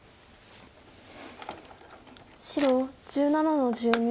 白１７の十二。